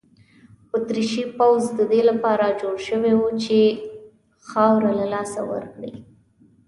اتریشي پوځ د دې لپاره جوړ شوی وو چې خاوره له لاسه ورکړي.